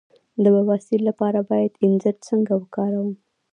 د بواسیر لپاره باید انځر څنګه وکاروم؟